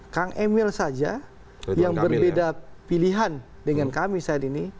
kang emil saja yang berbeda pilihan dengan kami saat ini